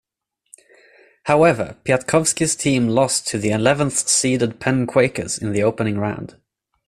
However Piatkowski's team lost to the eleventh seeded Penn Quakers in the opening round.